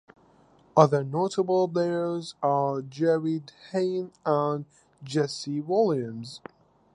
Other notable players are Jarryd Hayne and Jesse Williams.